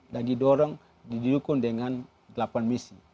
dan didorong didukung dengan delapan misi